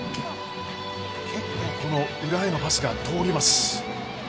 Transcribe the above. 結構、裏へのパスが通ります。